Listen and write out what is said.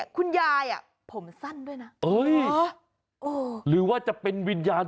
คุณยายอ่ะผมสั้นด้วยนะหรือว่าจะเป็นวิญญาณ